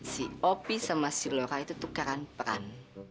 si opi sama si lora itu tukeran peran